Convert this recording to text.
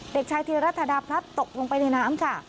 เด็กชายธีรัฐดาพลัดตกลงไปในน้ำค่ะ